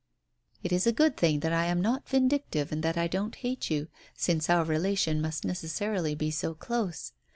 "It is a good thing that I am not vindictive and that I don't hate you, since our relation must necessarily be so close.